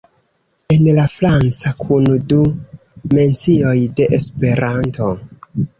En la franca kun du mencioj de Esperanto.